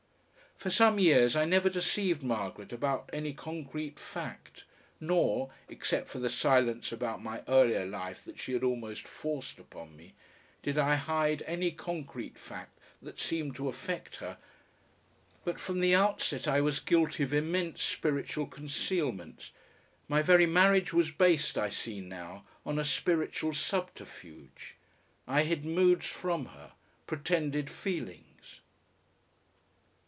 For some years I never deceived Margaret about any concrete fact nor, except for the silence about my earlier life that she had almost forced upon me, did I hide any concrete fact that seemed to affect her, but from the outset I was guilty of immense spiritual concealments, my very marriage was based, I see now, on a spiritual subterfuge; I hid moods from her, pretended feelings....